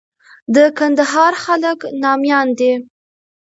د کندهار خلک ناميان دي.